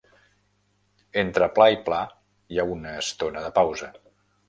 Entre pla i pla hi ha una estona de pausa.